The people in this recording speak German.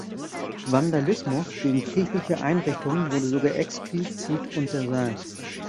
Vandalismus gegen kirchliche Einrichtungen wurde sogar explizit untersagt.